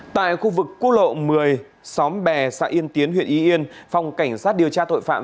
tại khu vực quốc lộ một mươi xóm bè xã yên tiến huyện y yên phòng cảnh sát điều tra tội phạm